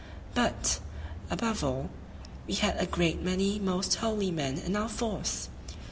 but, above all, we had a great many most holy men in our force!